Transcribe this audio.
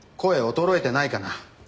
声衰えてないかな？